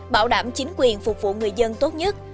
bảo đảm chính quyền phục vụ người dân tốt nhất